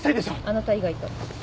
あなた以外と。